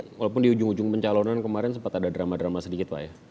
tapi kalau kemarin sempat ada drama drama sedikit